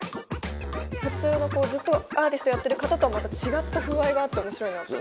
普通のずっとアーティストをやってる方とはまた違った風合いがあって面白いなと。